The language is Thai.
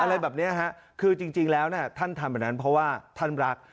อะไรแบบนี้ฮะคือจริงแล้วท่านทำแบบนั้นเพราะว่าท่านรัก